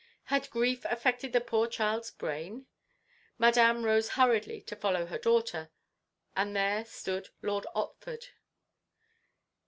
Had grief affected the poor child's brain? Madame rose hurriedly to follow her daughter—and there stood Lord Otford.